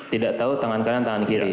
tidak tahu tangan kanan tangan kiri